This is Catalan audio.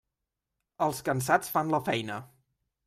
Els cansats fan la feina.